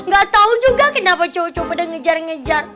gak tau juga kenapa cowok cowok pada ngejar ngejar